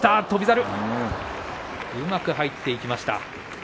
翔猿うまく入っていきました。